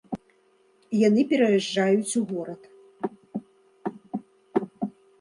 І яны пераязджаюць у горад.